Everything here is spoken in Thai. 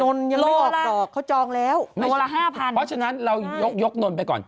นนยังไม่ออกหรอกเขาจองแล้วโลลา๕๐๐๐บาทเพราะฉะนั้นเรายกนนไปก่อน